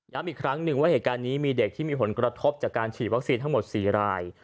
อีกครั้งหนึ่งว่าเหตุการณ์นี้มีเด็กที่มีผลกระทบจากการฉีดวัคซีนทั้งหมด๔ราย